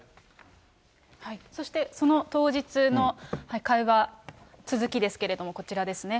そして、その当日の会話、続きですけれどもこちらですね。